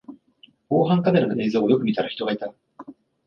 防犯カメラの映像をよく見たら人がいた